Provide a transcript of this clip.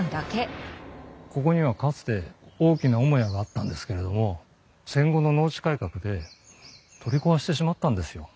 ここにはかつて大きな主屋があったんですけれども戦後の農地改革で取り壊してしまったんですよ。